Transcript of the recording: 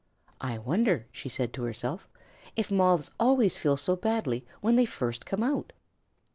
"I wonder," she said to herself, "if Moths always feel so badly when they first come out?"